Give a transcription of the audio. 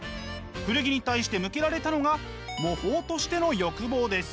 古着に対して向けられたのが模倣としての欲望です。